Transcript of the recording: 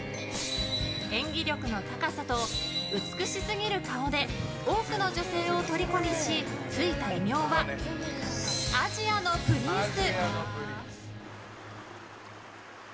演技力の高さと美しすぎる顔で多くの女性を虜にしついた異名はアジアのプリンス。